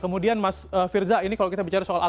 kemudian mas firza ini kalau kita bicara soal